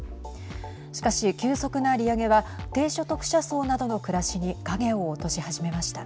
しかし、急速な利上げは低所得者層などの暮らしに影を落とし始めました。